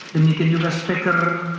demikian juga speaker